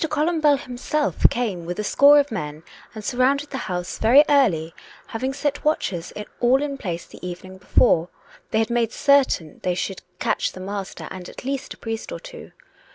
Columbell himself came with a score of men and surrounded the house very early, having set watchers all in place the evening before: they had made certain they should catch the master and at least a priest or two.